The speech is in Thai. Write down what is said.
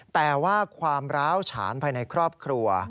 แต่ว่าความร้าวฉานภายในครอบครัว